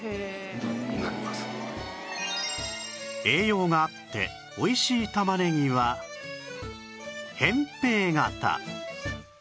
栄養があっておいしい玉ねぎは扁平型